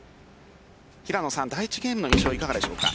平野さん、第１ゲームの印象いかがでしょうか。